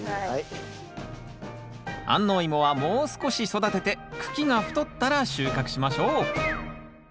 安納いもはもう少し育てて茎が太ったら収穫しましょう。